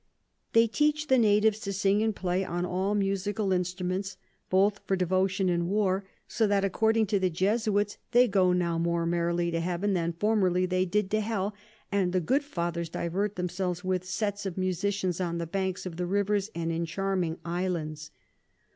They teach the Natives to sing and play on all Musical Instruments both for Devotion and War; so that according to the Jesuits they go now more merrily to Heaven than formerly they did to Hell, and the good Fathers divert themselves with Sets of Musicians on the Banks of the Rivers and in charming Islands.